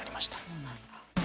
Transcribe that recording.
そうなんだ。